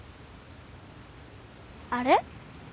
あれ？